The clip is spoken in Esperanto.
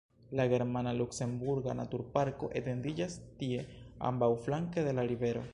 La germana-luksemburga naturparko etendiĝas tie ambaŭflanke de la rivero.